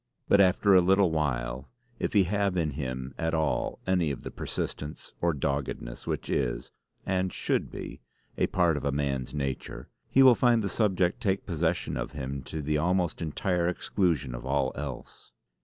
But after a little while, if he have in him at all any of the persistence or doggedness which is, and should be, a part of a man's nature, he will find the subject take possession of him to the almost entire exclusion of all else.